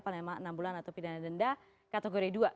panema enam bulan atau pidana denda kategori dua